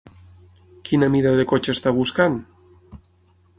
Quina mida de cotxe està buscant?